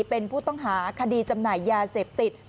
เป็นผู้ต้องหาคดีจำหน่ายยาเสพติด